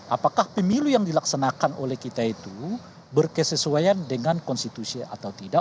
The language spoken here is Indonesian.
apakah pemilu yang dilaksanakan oleh kita itu berkesesuaian dengan konstitusi atau tidak